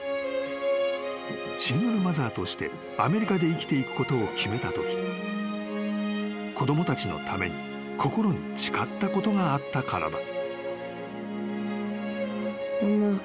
［シングルマザーとしてアメリカで生きていくことを決めたとき子供たちのために心に誓ったことがあったからだ］